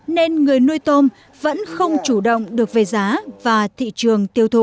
nên người nuôi tôm vẫn không chủ động được về giá và thị trường tiêu thụ